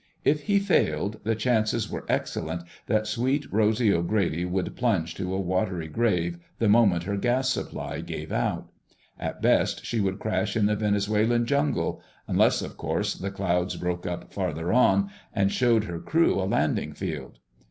If he failed, the chances were excellent that Sweet Rosy O'Grady would plunge to a watery grave the moment her gas supply gave out. At best she would crash in the Venezuelan jungle—unless, of course, the clouds broke up farther on and showed her crew a landing field.